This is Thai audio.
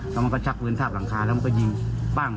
เขามาก็ชักพื้นสากหลังคาแล้วมันก็ยิงพล่าง